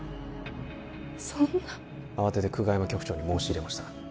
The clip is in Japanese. そんな慌てて久我山局長に申し入れました